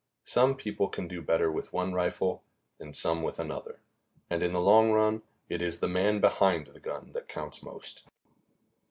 Some people can do better with one rifle and some with another, and in the long run it is "the man behind the gun" that counts most.